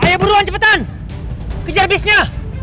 ayo buruan cepetan kejar bisnya